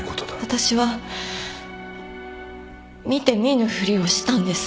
私は見て見ぬふりをしたんです